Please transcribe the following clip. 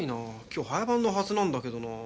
今日早番のはずなんだけどなあ。